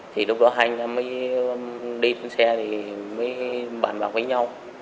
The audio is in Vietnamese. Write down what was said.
thì lúc đó anh em mới đi trên xe thì mới bàn bạc với nhau